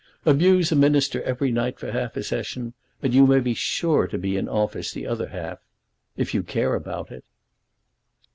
Abuse a Minister every night for half a session, and you may be sure to be in office the other half, if you care about it."